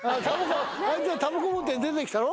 あいつがたばこ持って出てきたろ。